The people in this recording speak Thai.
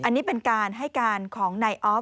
อันนี้เป็นการให้การของนายออฟ